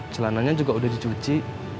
celananya juga udah dicuci